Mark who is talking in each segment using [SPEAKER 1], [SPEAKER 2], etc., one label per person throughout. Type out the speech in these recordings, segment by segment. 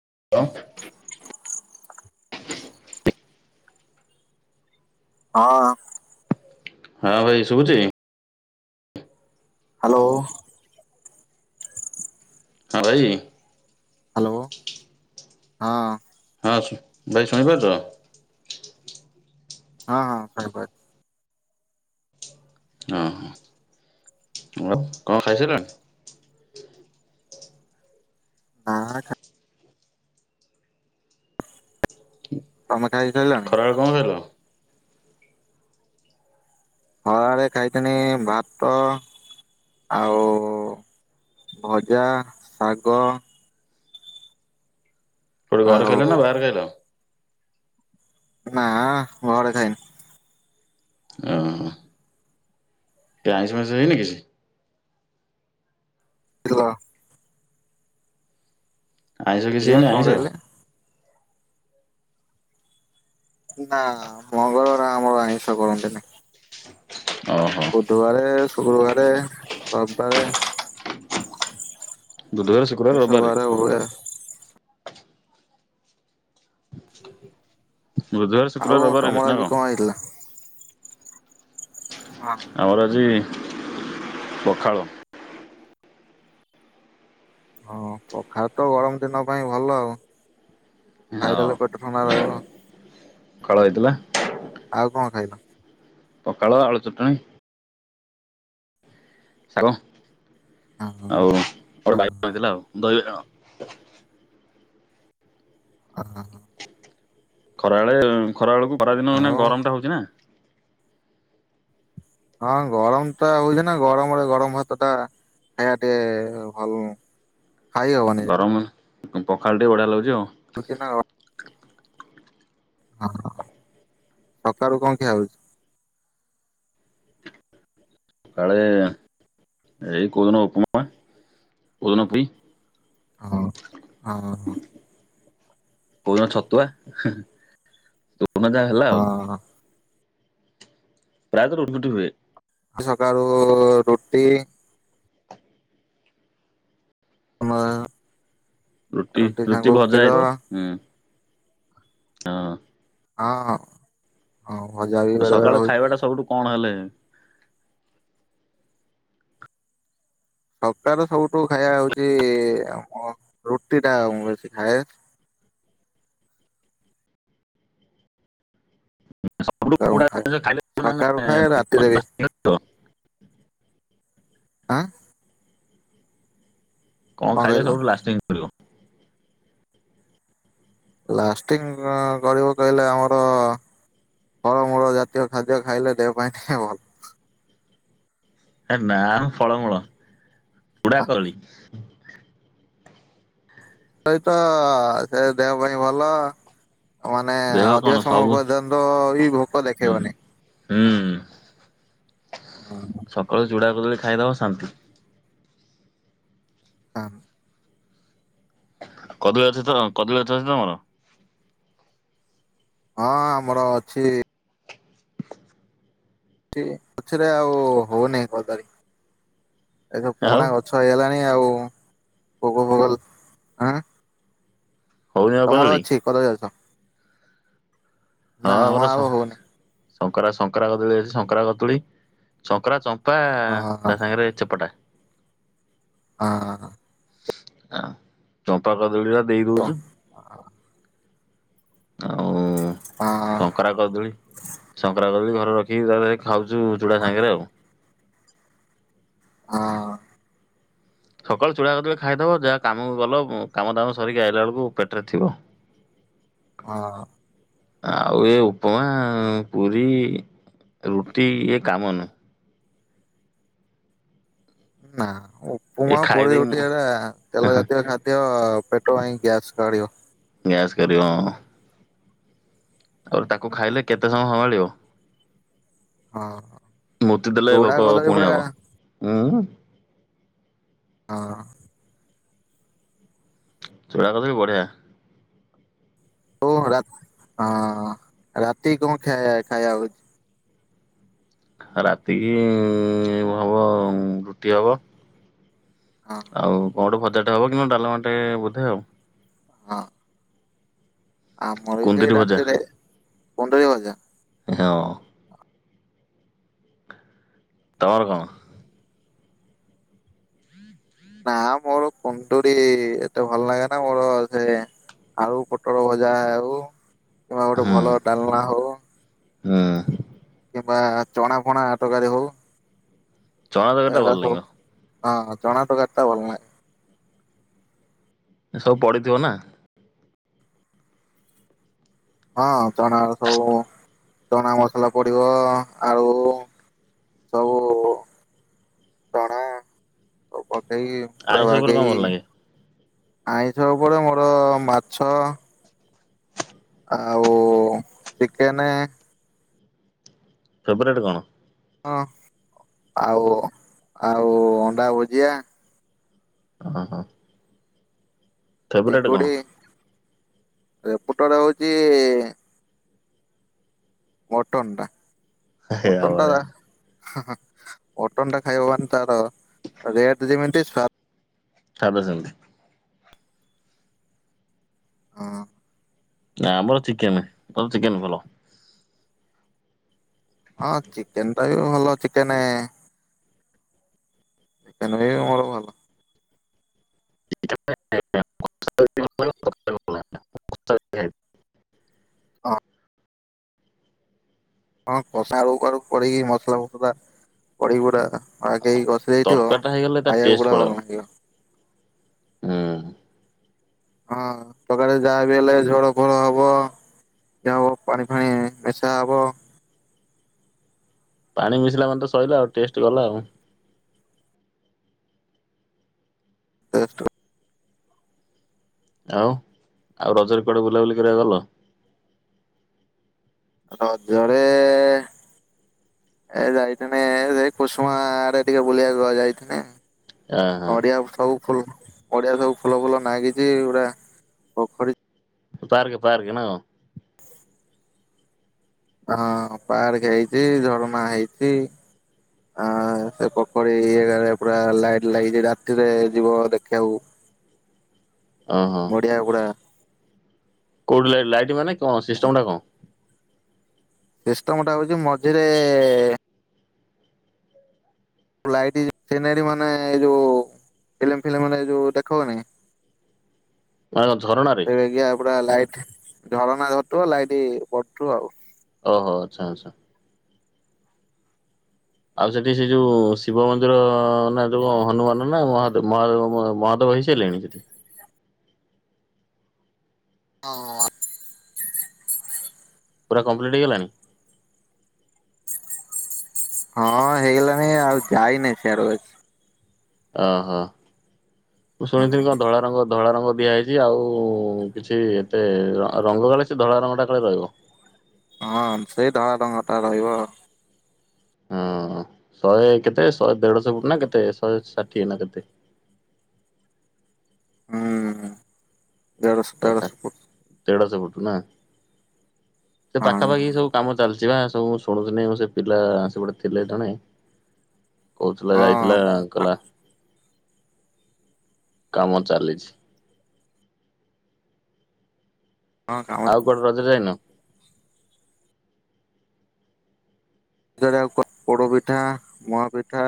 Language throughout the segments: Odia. [SPEAKER 1] [inaudible]
[SPEAKER 2] ହଁ ।
[SPEAKER 1] ହଁ ଭାଇ ଶୁବୁଚି?
[SPEAKER 2] ହାଲୋ।
[SPEAKER 1] ହଁ ଭାଇ ।
[SPEAKER 2] ହାଲୋ ହଁ ।
[SPEAKER 1] ହଁ ଶୁ ଭାଇ ଶୁଣି ପାରୁଚ?
[SPEAKER 2] ହଁ ହଁ ଶୁଣି ପା
[SPEAKER 1] ହଁ ହ ଆଉ କଣ ଖାଇସାରିଲଣି।
[SPEAKER 2] ହଁ । ତମେ ଖାଇସାରିଲଣି
[SPEAKER 1] ଖରାବେଳେ କଣ ଖାଇଲ?
[SPEAKER 2] ଖରାବେଳେ ଖାଇଥିନି ଭାତ ଆଉ ଭଜା ଶାଗ ।
[SPEAKER 1] କୋଉଠି ଘରେ
[SPEAKER 2] ଆଉ
[SPEAKER 1] ଖାଇଲ ନା ବାହାରେ ଖାଇଲ?
[SPEAKER 2] ନା ଘରେ ଖାଇନି।
[SPEAKER 1] ଓ ହୋ। ଟିକେ ଆଇଁଷ ଫାଇଁସ ହେଇନି କିଛି?
[SPEAKER 2] [unintelligible]
[SPEAKER 1] ଆଇଁଷ କିଛି
[SPEAKER 2] ଆଜ୍ଞା
[SPEAKER 1] ହେଇନି
[SPEAKER 2] କଣ
[SPEAKER 1] ଆଇଁଷ?
[SPEAKER 2] କହିଲେ? ନା ମଙ୍ଗଳ ନା ଆମର ଆଇଁଷ କରନ୍ତିନି।
[SPEAKER 1] ଓହୋ
[SPEAKER 2] ବୁଧବାରେ । ଶୁକ୍ରୁବାରେ ରବିବାରେ।
[SPEAKER 1] ବୁଧବାରେ ଶୁକ୍ରୁବାରେ
[SPEAKER 2] ଏସବୁ
[SPEAKER 1] ରବିବାରେ।
[SPEAKER 2] ବାର ହୁଏ
[SPEAKER 1] ବୁଧବାରେ
[SPEAKER 2] ଆଉ
[SPEAKER 1] ଶୁକ୍ରବାରେ ରବବାରେ ହୁଏ।
[SPEAKER 2] ତମର
[SPEAKER 1] ନା
[SPEAKER 2] ଆଜି
[SPEAKER 1] କଣ?
[SPEAKER 2] ହେଇଥିଲା? ହଁ
[SPEAKER 1] ଆମର ଆଜି? ପଖାଳ।
[SPEAKER 2] ହଁ ପଖାଳ ତ ଗରମ ଦିନ ପାଇଁ ଭଲ ଆଉ।
[SPEAKER 1] ଆଉ
[SPEAKER 2] ଖାଇଦେଲେ ପେଟ ଥଣ୍ତା ରହିବ।
[SPEAKER 1] ଖାଳ ହେଇଥିଲା।
[SPEAKER 2] ଆଉ କଣ ଖାଇଲ?
[SPEAKER 1] ପଖାଳ ଆଳୁ ଚଟଣି। ଶାଗ।
[SPEAKER 2] ହଁ
[SPEAKER 1] ଆଉ
[SPEAKER 2] ହଁ
[SPEAKER 1] ବାଇଗଣ ହେଇଥିଲା ଦହି ବାଇଗଣ। [unintelligible]
[SPEAKER 2] ଅ ହଁ ହଁ।
[SPEAKER 1] ଖରାବେଳେ ଖରାବେଳକୁ ଖରାଦିନ ଦିନ
[SPEAKER 2] ଆଉ
[SPEAKER 1] ମାନେ ଗରମଟା ହୋଉଚି ନା।
[SPEAKER 2] ହଁ ଗରମଟା ହୋଉଚି ନା ଗରମରେ ଗରମ ଭାତଟା ଖାଇବା ଟିକେ ଭଲ ନୁଁ। ଖାଇ ହବାନିି।
[SPEAKER 1] ପଖାଳଟି ବଢିଆ ଲାଗୁଚି ଆଉ।
[SPEAKER 2] କି ନଅ ହଁ ସକାଳୁ କଣ ଖିଆ ହୋଉଚି?
[SPEAKER 1] ସକଳେ ଏଇ କୋଉଦିନ ଉପମା କୋଉଦିନ ପୁରୀ।
[SPEAKER 2] ହ ଅହ ହଁ।
[SPEAKER 1] କୋଉଦିନ ଛତୁଆ ଦିନ ଯାହା ହେଲା ଆଉ। ପ୍ରାୟତ ରୁଟି ଫୁଟି ହୁଏ।
[SPEAKER 2] ଆଉ ସକାଳୁ ରୁଟି ଆମର
[SPEAKER 1] ରୁଟି ରୁଟି ଭଜା ହେଇଥିବ ହୁଁ। ହଁ।
[SPEAKER 2] ଅ ହୋଉ। ହଁ ଭଜା ବି
[SPEAKER 1] ସକାଳ
[SPEAKER 2] ବେଳେବେଳେ ହୋଉଚି।
[SPEAKER 1] ଖାଇବାଟା ସବୁଠୁ କଣ ହେଲେ
[SPEAKER 2] ସକାଳ ସବୁଠୁ ଖାଇବା ହୋଉଚି ଆମର ରୁଟିଟା ମୁଁ ବେଶୀ ଖାଏ।
[SPEAKER 1] ସବୁଠୁ
[SPEAKER 2] ତ ମୁଁ
[SPEAKER 1] ପୋଡ଼ା
[SPEAKER 2] ଖାଏ
[SPEAKER 1] ଜିନିଷ ଖାଇଲେ
[SPEAKER 2] ସକାଳୁ ଖାଏ ରାତିରେ ବି। ଆଁ
[SPEAKER 1] କଣ ଖାଇଲେ ସବୁଠୁ ଲାଷ୍ଟିଙ୍ଗ୍
[SPEAKER 2] ଲାଷ୍ଟିଙ୍ଗ କଣ କରିବ କହିଲେ ଆମର ଫଳମୂଳ ଜାତୀୟ ଖାଦ୍ୟ ଖାଇଲେ ଦେହ ପାଇଁ ଟିକେ ଭଲ।
[SPEAKER 1] ଏ ନାମ ଫଳମୂଳ। ଚୁଡ଼ା
[SPEAKER 2] ତା
[SPEAKER 1] କଦଳୀ।
[SPEAKER 2] ସେଇତ ସେ ଦେହ ପାଇଁ ଭଲ। ମାନେ
[SPEAKER 1] ଦେହ କଣ
[SPEAKER 2] ଅଧିକ ସମୟ
[SPEAKER 1] ସବୁ
[SPEAKER 2] ପର୍ଯ୍ୟନ୍ତ ବି ଭୋକ
[SPEAKER 1] ହୁଁ
[SPEAKER 2] ଦେଖେଇବନି।
[SPEAKER 1] ହୁଁ। ସକାଳୁ ଚୁଡା କଦଳୀ ଖାଇଦବ ଶାନ୍ତି।
[SPEAKER 2] ଆମ୍
[SPEAKER 1] କଦଳୀ ଅଛି ତ କଦଳୀ ଗଛ ଅଛି ତମର?
[SPEAKER 2] ହଁ ଆମର ଅଛି ଛି ଅଛି ଯେ ଆଉ ହୋଉନେଇ କଦଳୀ। ଏସବୁ
[SPEAKER 1] ଆଉ
[SPEAKER 2] ପୁରୁଣା ଗଛ ହେଇଗଲା ଆଉ ଭୋଗ ଫୋଗ, ଆଁ?
[SPEAKER 1] ହଉନି ଆଉ
[SPEAKER 2] ତମର
[SPEAKER 1] କଦଳୀ
[SPEAKER 2] ଅଛି କଦଳୀ ଗଛ।
[SPEAKER 1] ହଁ
[SPEAKER 2] ନା ଆମ
[SPEAKER 1] ଆମର ସ
[SPEAKER 2] ଆଉ
[SPEAKER 1] ସ।
[SPEAKER 2] ହଉନି
[SPEAKER 1] ଶଙ୍କରା ଶଙ୍କରା କଦଳୀ ଅଛି ଶଙ୍କରା କଦୁଳି ଶଙ୍କରା ଚ ପା
[SPEAKER 2] ହଁ ହଁ
[SPEAKER 1] ତା ସାଙ୍ଗରେ ଚେପଟା।
[SPEAKER 2] ହଁ।
[SPEAKER 1] ଆଉ ଚମ୍ପା କଦଳୀର। ଦେଇ ଦଉଛୁ। ଆଉ
[SPEAKER 2] ହଁ
[SPEAKER 1] ଶଙ୍କରା କଦୂଳୀ ଶଙ୍କରା କଦଳୀ ଘ ରଖି ଘରେ। ଖାଉଛୁ ଚୁଡ଼ା
[SPEAKER 2] ହଁ।
[SPEAKER 1] ସାଙ୍ଗରେ ଆଉ।
[SPEAKER 2] ହଁ।
[SPEAKER 1] ସକାଳୁ ଚୁଡା କଦଳୀ ଖାଇଦବ ଯାହା କାମକୁ ଗଲ କାମ ଦାମ ସରେଇକି ଆଇଲା ବେଳକୁ ପେଟରେ ଥିବ।
[SPEAKER 2] ହଁ।
[SPEAKER 1] ଆଉ ଏ ଉପମା ପୁରୀ ରୁଟି ଇଏ କାମ ନୁହ।
[SPEAKER 2] ନା।
[SPEAKER 1] ଏ
[SPEAKER 2] ଉପୁମା ପଡି
[SPEAKER 1] ଖାଇଦେଇ
[SPEAKER 2] ରୋଟି
[SPEAKER 1] ମୁଁ
[SPEAKER 2] ଏଟା ତେଲ ଜାତୀୟ ଖାଦ୍ୟ ପେଟ ପାଇଁ ଗ୍ୟାସ କାଢିବ।
[SPEAKER 1] ଗ୍ୟାସ କରିବ। ଆଉ ତାକୁ ଖାଇଲେ କେତେ ସମୟ ସମ୍ଭାଳିବ।
[SPEAKER 2] ହଁ।
[SPEAKER 1] ମୂର୍ତ୍ତି ଦେଲେ
[SPEAKER 2] ଚୁଡା
[SPEAKER 1] ଭୋକ
[SPEAKER 2] କଦଳୀ
[SPEAKER 1] ପୁଣି
[SPEAKER 2] ପୁରା
[SPEAKER 1] ହବ ହୁଁ।
[SPEAKER 2] ହଁ।
[SPEAKER 1] ଚୁଡ଼ା କଦଳୀ ବଢ଼ୀୟା।
[SPEAKER 2] ଓ ହଁ ରାତି କଣ ଖାଇ ଖାଇବା ହଉଛି?
[SPEAKER 1] ରାତିକି ଉଁ ହବ ରୁଟି ହବ।
[SPEAKER 2] ହଁ
[SPEAKER 1] ଆଉ କଣଠୁ ଭଜା ହେବ କିନ୍ତୁ ଡାଲମା ଟେ ବୋଧେ ଆଉ।
[SPEAKER 2] ହଁ। ଆମର ବି ସେଇ
[SPEAKER 1] କୁନ୍ଦୁରି ଭଜା
[SPEAKER 2] ରାତିରେ କୁନ୍ଦୁରି ଭଜା।
[SPEAKER 1] ହଁ। ତମର କଣ?
[SPEAKER 2] ନା ମୋର କୁନ୍ଦୁରି ଏତେ ଭଲ ଲାଗେନା ମୋର ସେ ଆଳୁ ପୋଟଳ ଭଜା ହେଉ। କିମ୍ବା ଗୋଟେ ଭଲ ଡାଲଣା ହଉ।
[SPEAKER 1] ହଁ।
[SPEAKER 2] କିମ୍ବା ଚଣା ଫଣା ତରକାରୀ ହଉ।
[SPEAKER 1] ଚଣା ତରକାରୀ ଟା
[SPEAKER 2] ଏଗୁଡା
[SPEAKER 1] ଭଲ
[SPEAKER 2] ସବୁ
[SPEAKER 1] ଲାଗିବ।
[SPEAKER 2] ହଁ ହଁ ଚଣା ତରକାରୀ ଟା ଭଲ ଲାଗ।
[SPEAKER 1] ସବୁ ପଡିିଥିବ ନା।
[SPEAKER 2] ହଁ ଚଣା ସବୁ ଚଣା ମସଲା ପଡିବ ଆଳୁ ସବୁ ଚଣାବୁ ସେଇ ପୁରା
[SPEAKER 1] ଆଇଁଷ ଉପରେ କଣ
[SPEAKER 2] ବାଗେଇ
[SPEAKER 1] ଭଲ ଲାଗେ
[SPEAKER 2] ଆଇଁଷ ଉପରେ ମୋର ମାଛ ଆଉ ଚିକେନ
[SPEAKER 1] ଫେଭରାଇଟ କଣ?
[SPEAKER 2] ହଁ ଆଉ ଆଉ ଅଣ୍ଡା ଭୁଜିଆ।
[SPEAKER 1] ହ ହ।
[SPEAKER 2] ଚିଙ୍ଗୁଡ଼ି ଏ ପଟରେ ହଉଚି ମଟନ ଟା। ମଟନ ଟା
[SPEAKER 1] [unintelligible]
[SPEAKER 2] ମଟନ ଟା ଖାଇବା ମାନେ ତାର ରେଟ ଯେମିତି ସ୍ୱା
[SPEAKER 1] ଖାଇବେ ସେମିତି।
[SPEAKER 2] ହଁ।
[SPEAKER 1] ନା ଆମର ଚିକେନ ତର ଚିକେନ ଭଲ।
[SPEAKER 2] ହଁ ଚିକେନ ଟା ବି ଭଲ ଚିକେନ ଚିକେନ୍ ବି ମୋର ଭଲ। ହଁ
[SPEAKER 1] [inaudible]
[SPEAKER 2] ହଁ କଷା ଆଳୁ ଫାଳୁ ପଡିକି ମସଲା ମସ ପଗଡା [inaudible] ଆଗେଇ ଗଛ ଏଇଠୁ ଆ
[SPEAKER 1] ତରକାରୀଟା ହେଇଗଲେ ତା
[SPEAKER 2] ଖାଇବାକୁ
[SPEAKER 1] ଟେଷ୍ଟ
[SPEAKER 2] ପଡା ଭଲ
[SPEAKER 1] ପଳେଇବ
[SPEAKER 2] ନାଁ ଆଉ [inaudible]
[SPEAKER 1] ହୁଁ।
[SPEAKER 2] ହଁ, ତରକାରୀ ଯାହା ବି ହେଲେ ଝୋଳ ଫୋଳ ହବ ଯ ହବ ପାଣି ଫାଣି ମିଶା ହବ।
[SPEAKER 1] ପାଣି ମିଶିଲା ମାନେ ତ ସଇଲା ଆଉ ଟେଷ୍ଟ ଗଲା ଆଉ।
[SPEAKER 2] ଦେ [inaudible]
[SPEAKER 1] ଆଉ ଆଉ ରଜରେ କୁଆଡେ ବୁଲାବୁଲି କରିବା ଗଲ?
[SPEAKER 2] ରଜରେ ଏ ଯାଇଥିଲି ସେ କୁସୁମା ଆଡେ ଟିକେ ବୁଲିବାକୁ ଯାଇଥିଲି।
[SPEAKER 1] ଆହା
[SPEAKER 2] ଅଡିଆ ସବୁ ଫୁଲ [inaudible] ପଡିଆ ସବୁ ଫୁଲ ଫୁଲ ନାଗିଛି ପୁରା ପୋଖରୀ
[SPEAKER 1] ପାର୍କ ପାର୍କ ନା।
[SPEAKER 2] ହଁ ପାର୍କ ହେଇଛି, ଝରଣା ହେଇଛି, ଆ ସେ ପୋଖରୀ ଇରେ ପୁରା ଲାଇଟ ଲାଗିଛି ରାତିରେ ଯିବ ଦେଖିବାକୁ।
[SPEAKER 1] ଓହୋ
[SPEAKER 2] ନଡିଆ କୁଡା।
[SPEAKER 1] କୋଉଠି ଲ ଲାଇଟ୍ ମାନେ। କଣ ସିଷ୍ଟମ ଟା କଣ?
[SPEAKER 2] ସିଷ୍ଟମ ଟା ହଉଛି ମଝିରେ ଲାଇଟ ସିନେରୀ ମାନେ ଏ ଯୋଉ ଫିଲ୍ମ ଫିଲ୍ମ ରେ ଯୋଉ ଦେଖଉନି।
[SPEAKER 1] ମାନେ [inaudible] ଝରଣାାରେ।
[SPEAKER 2] ତେବେଗିଆ ପୁରା ଲାଇଟ ଝରଣା ଝରୁଥିବ ଲାଇଟ୍ ପଡୁଥିବ ଆଉ।
[SPEAKER 1] ଓହୋ ଆଚ୍ଛ ଆଚ୍ଛା। ଆଉ ସେଠି ସେ ଯୋଉ ଶିବ ମନ୍ଦିର ନା ଯୋଉ ହନୁମାନ ନା ମହାଦବ ମହାବ ମହାଦେବ ହେଇସାରିଲେଣି ସେଠି।
[SPEAKER 2] ହଁ।
[SPEAKER 1] ପୁରା କମ୍ପ୍ଲିଟ ହେଇଗଲାଣି।
[SPEAKER 2] ହଁ ହେଇଗଲାଣି ଆଉ ଯାଇନି ସିଆଡେ।
[SPEAKER 1] ଓହୋ। ମୁଁ ଶୁଣିଥିଲି କଣ ଧଳା ରଙ୍ଗ ଧଳା ରଙ୍ଗ ଦିଆ ହେଇଛି ଆଉ କିଛି ଏତେ ରଙ୍ଗ କାଳେ ସେ ଧଳା ରଙ୍ଗଟା କାଳେ ରହିବ।
[SPEAKER 2] ହଁ ସେଇ ଧଳା ରଙ୍ଗ ଟା ରହିବ।
[SPEAKER 1] ହଁ ଶହେ କେତେ ଶହେ ଦେଢ ଶହ ଫୁଟ ନା କେତେ ଶହେ ଷାଠିଏ ନା କେତେ।
[SPEAKER 2] ହୁଁ। ଦେଢ଼ଶ ଦେଢ଼ଶହ ଫୁଟ।
[SPEAKER 1] ନାଁ। ସେ
[SPEAKER 2] ହଁ
[SPEAKER 1] ପାଖାପାଖି ସବୁ କାମ ଚାଲିଛି। ଯିବା ସବୁ ମୁ ଶୁଣୁଥିଲି ସେ ପିଲା ଆ ସେପୋଟେ ଥିଲେ ଜଣେ। କହୁଥିଲା
[SPEAKER 2] ହଁ
[SPEAKER 1] ଯାଇଥିଲା ଅଙ୍କଲା କାମ ଚାଲିଛି।
[SPEAKER 2] ହଁ କାମ
[SPEAKER 1] ଆଉ କୁଆଡେ ରଜ ରେ ଯାଇନ।
[SPEAKER 2] ରଜ ରେ ଆଉ ପୋଡ଼ ପିଠା ମହା ପିଠା।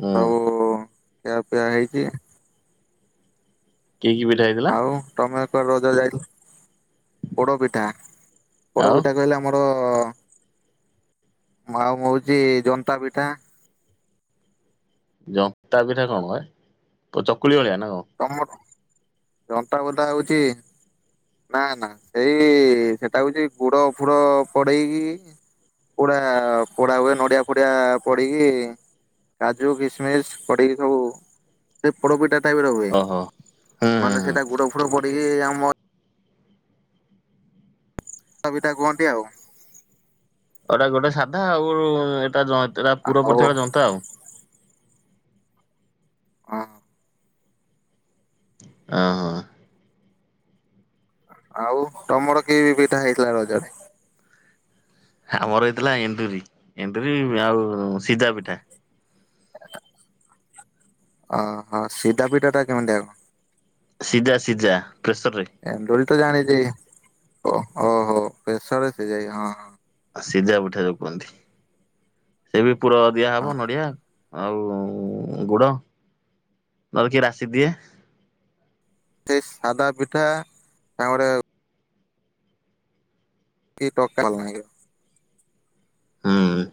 [SPEAKER 1] ହୁଁ
[SPEAKER 2] ସବୁ ଖିଆ ପିଆ ହେଇଛି।
[SPEAKER 1] କି କି ପିଠା ହେଇଥିଲା?
[SPEAKER 2] ତ ରଜ ଯାଇଥିଲ ପୋଡପିଠା
[SPEAKER 1] ଆଉ
[SPEAKER 2] ପୋଡପିଠା କହିଲେ ଆମର ଓ ମାଉ ମଉଚି ଜନ୍ତା ପିଠା
[SPEAKER 1] ଜନ୍ତା ପିଠା କଣ ହେ ତ ଚକୁଳି ଭଳିଆ ନା କଣ?
[SPEAKER 2] ତମ କ ଯନ୍ତା ପିଠା ହଉଚି ନାଁ ନାଁ ସେଇ ସେଟା ହଉଚି ଗୁଡ ଫୁଡ ପଡେଇକି ପୁଡା ପୋଡା ହୁଏ, ନଡିଆ ଫଡିଆ ପଡିକି କାଜୁ କିସମିସ ପଡିକି ସବୁ ସେ ପୋଡପିଠା ଟାଇପ ର
[SPEAKER 1] ଓହୋ ହୁଁ ହୁଁ
[SPEAKER 2] ମାନେ
[SPEAKER 1] ହୁଁ
[SPEAKER 2] ସେଟା ଗୁଡ ଫୁଡ ପଡିକି ଆମର ସବିତା କୁହନ୍ତି ଆଉ
[SPEAKER 1] ଏଡା ଗୋଟେ ସାଧା ଆଉ ଏଇଟା ଜ ସେଟା ପୁର
[SPEAKER 2] ଆଉ
[SPEAKER 1] ପଡିଥିବା ଜନ୍ତା ଆଉ
[SPEAKER 2] ଅଁ
[SPEAKER 1] ଓ ହ
[SPEAKER 2] ଆଉ ତମର କି ପିଠା ହେଇଥିଲା ରଜରେ?
[SPEAKER 1] ଆମର ହେଇଥିଲା ଏଣ୍ଡୁରି ଏଣ୍ଡୁରି ରି ଆଉ ସିଜା ପିଠା।
[SPEAKER 2] ଅହ ସିଧା ପିଠାଟା କେମିତିଆ କଣ?
[SPEAKER 1] ସିଜା ସିଜା ପ୍ରେସର ରେ ।
[SPEAKER 2] ଏଣ୍ଡୁରି ତ ଜାଣିଚି ଓ ଓହୋ ପ୍ରେସରେ ସେ ଯାଇ ହଁ ହଁ ।
[SPEAKER 1] ସିଜା ପିଠା ଯଉ କୁହନ୍ତି ସେ ବି । ପୁର
[SPEAKER 2] ହଁ।
[SPEAKER 1] ଦିଆହବ ନଡ଼ିଆ । ଆଉ ଗୁଡ ନହେଲେ କିଏ ରାଶି ଦିଏ ।
[SPEAKER 2] ସେ ସାଧା ପିଠା ତା ପରେ । କି ତରକାରୀ ଭଲ ଲାଗିବ ।
[SPEAKER 1] ହୁଁ ।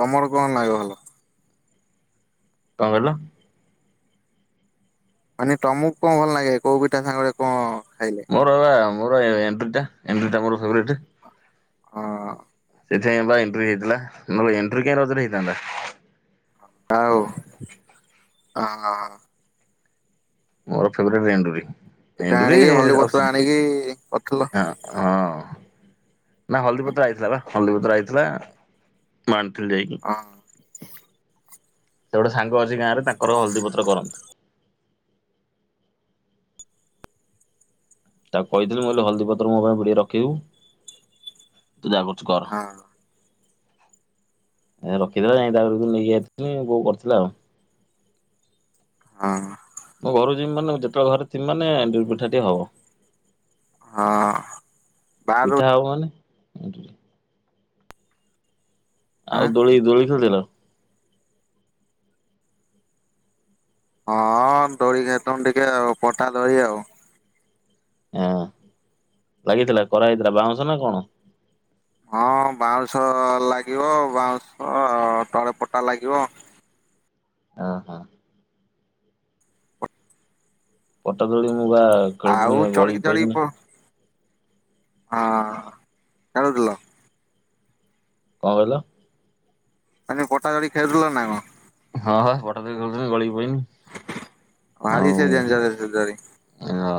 [SPEAKER 2] ତମର କଣ ନାଗେ ଭଲ ।
[SPEAKER 1] କଣ କହିଲ ।
[SPEAKER 2] ମାନେ ତମକୁ କଣ ଭଲ ଲାଗେ କୋଉ ପିଠା ସାଙ୍ଗରେ କଣ ।
[SPEAKER 1] ମୋର ବା । ମୋର ବା ଏଣ୍ଡୁରି ଟା ଏଣ୍ଡୁରି ଟା ମୋର ଫେବରାଇଟ।
[SPEAKER 2] ହଁ ।
[SPEAKER 1] ସେଥିପାଇଁ ବା ଏଣ୍ଡୁରି ହେଇଥିଲା ନହେଲେ ଏଣ୍ଡୁରି କାଇଁ ରଜରେ ହେଇଥାନ୍ତା ।
[SPEAKER 2] ଆଉ ହଁ ।
[SPEAKER 1] ମୋର ଫେବରେଟ ଏଣ୍ଡୁରି।
[SPEAKER 2] ଏଟା
[SPEAKER 1] ଏଣ୍ଡୁରି
[SPEAKER 2] ଆଣିକି ହଳଦି
[SPEAKER 1] ଆଉ
[SPEAKER 2] ପତ୍ର
[SPEAKER 1] ସିଝି
[SPEAKER 2] ଆଣିକି କରିଥିଲ।
[SPEAKER 1] ନାଁ ହଳଦୀପତ୍ର ଆଇଥିଲା ବା ହଳଦୀପତ୍ର ଆଇଥିଲା । ଆଁ ନ । ଥିଲି ଜାଇ କି
[SPEAKER 2] ହଁ।
[SPEAKER 1] । ସେ ଗୋଟେ ସାଙ୍ଗ ଅଛି ଗାଁ ରେ ତାଙ୍କର ହଳଦୀପତ୍ର କରନ୍ତି। ତାକୁ କହିଥିଲି ମୁଁ କହିଲି ହଳଦୀପତ୍ର ମୋ ପାଇଁ ବି ଡେ ରଖିବୁ। ତୁ ଯାହା କରୁଛୁ କର।
[SPEAKER 2] ହଁ
[SPEAKER 1] ଆ ସେ ରଖିଥିଲା ଜାଇ ତା ଘରୁ ପୁଣି ନେଇକି ଆଇଥିଲି ବୋଉ କରିଥିଲା ଆଉ।
[SPEAKER 2] ହଁ।
[SPEAKER 1] ମୁଁ ଘରୁ ଯିମି ମାନେ ଯେତେବେଳେ ଘରେ ଥିମି ମାନେ ଏଣ୍ଡୁରୀ ପିଠା ଟେ ହବ।
[SPEAKER 2] ହଁ ବାହାରୁ
[SPEAKER 1] ପିଠା ହବ ମାନେ। ଏଣ୍ଡୁରି ।
[SPEAKER 2] ଆଁ
[SPEAKER 1] ଆଉ ଦୋଳି ଦୋଳି ଖେଳୁ ଥିଲ।
[SPEAKER 2] ହଁ ଦୋଳି ଖେଳୁଥିଲୁ ଟିକେ ଆଉ ପଟା ଦୋଳି ଆଉ।
[SPEAKER 1] ହଁ ଲାଗିଥିଲା କରାହେଇଥିଲା ବାଉଁଶ ନା କଣ।
[SPEAKER 2] ହଁ ବାଉଁଶ ଲାଗିବ ବାଉଁଶ ତଳେ ପଟା ଲାଗିବ।
[SPEAKER 1] ଅ ହ। ପଟାଦୋଳି। ମୁଁ ବା
[SPEAKER 2] ଆଉ
[SPEAKER 1] ଖେଳୁଥିନି ଗଳି
[SPEAKER 2] ଚଢିକି ଚଢିକି ପ
[SPEAKER 1] ପଇନି।
[SPEAKER 2] ହଁ ଖେଳୁଥିଲ।
[SPEAKER 1] କଣ କହିଲ ।
[SPEAKER 2] ମାନେ ପଟା ଦୋଳି ଖେଳୁଥିଲା ନା କଣ।
[SPEAKER 1] ହଁ ହଁ ପଟା ଦୋଳି ଖେଳୁଥିଲି ଗଳି
[SPEAKER 2] ଭାରି ସେ [unintelligible] ଜରି।
[SPEAKER 1] ହଁ।